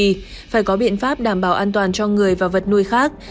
thì phải có biện pháp đảm bảo an toàn cho người và vật nuôi khác